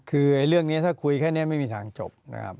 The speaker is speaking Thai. คือเรื่องนี้ถ้าคุยแค่นี้ไม่มีทางจบนะครับ